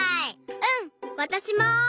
うん！わたしも！